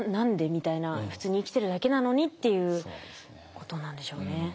みたいな「普通に生きてるだけなのに」っていうことなんでしょうね。